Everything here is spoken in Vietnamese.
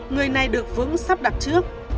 người này được vững sắp đặt trước